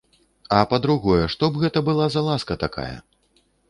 А, па-другое, што б гэта была за ласка такая?